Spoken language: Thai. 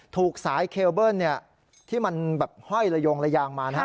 ถูกสายเคลเบิ้ลที่มันห้อยระยงระยางมา